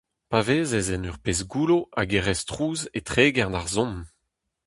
Pa vezez en ur pezh goullo hag e rez trouz e tregern ar son.